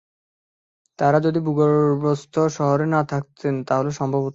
তাঁরা যদি ভূগর্ভস্থ শহরে না থাকতেন তাহলে সম্ভব হত।